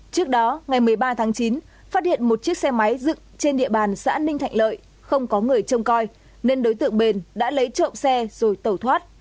trước đó ngày một mươi ba tháng chín phát hiện một chiếc xe máy dựng trên địa bàn xã ninh thạnh lợi không có người trông coi nên đối tượng bền đã lấy trộm xe rồi tẩu thoát